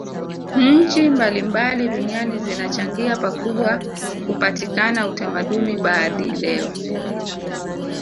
Nchi mbalimbali duniani zilichangia pakubwa kupatikana utamaduni baadhi leo